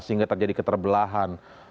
sehingga terjadi keterbelahan